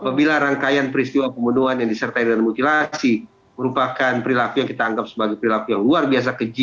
apabila rangkaian peristiwa pembunuhan yang disertai dengan mutilasi merupakan perilaku yang kita anggap sebagai perilaku yang luar biasa kecil